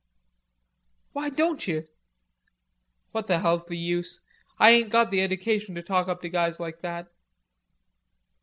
"Why don't you?" "What the hell's the use? I ain't got the edication to talk up to guys like that."